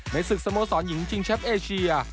ศึกสโมสรหญิงชิงแชมป์เอเชีย